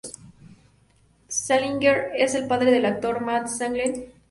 Salinger es el padre del actor Matt Salinger.